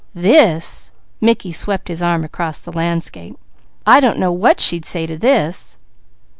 This!" Mickey swept his arm toward the landscape "I don't know what she'd say to this!"